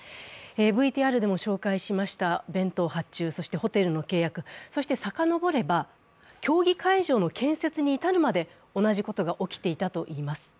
ＶＴＲでも紹介しました弁当発注、そしてホテルの契約、そしてさかのぼれば競技会場の建設に至るまで同じことが起きていたといいます。